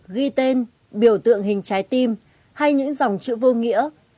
ghi tên biểu tượng hình trái tim hay những dòng chữ vô nghĩa